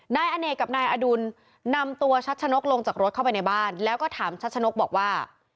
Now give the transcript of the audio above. นายอเนกกับนายอดุลนำตัวชัชนกลงจากรถเข้าไปในบ้านแล้วก็ถามชัชนกบอกว่า